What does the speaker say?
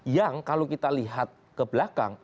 yang kalau kita lihat ke belakang